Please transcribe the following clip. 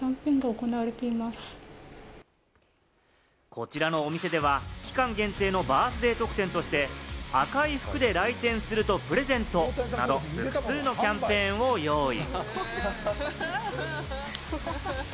こちらのお店では、期間限定のバースデー特典として、赤い服で来店すると、プレゼントなど複数のキャンペーンを用意。